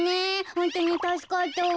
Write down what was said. ホントにたすかったわ。